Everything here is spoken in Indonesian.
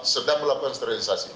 sedang melakukan sterilisasi